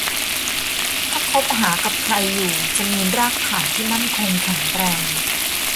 ถ้าคบหากับใครอยู่จะมีรากฐานที่มั่นคงแข็งแรง